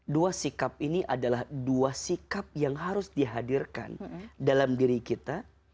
dua sikap ini adalah dua sikap yang harus dihadirkan dalam diri kita